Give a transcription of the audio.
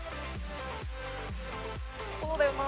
そうだよな。